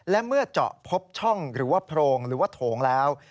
และเมื่อเจาะพบช่องหรือว่าโพรงหรือว่าโถงแล้ว